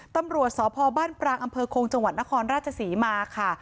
ตำรวจทพบปรังอคงจธราชสีมาค่ะ